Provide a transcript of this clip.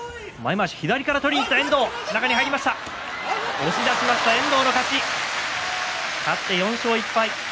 押し出しました遠藤の勝ち、勝って４勝１敗。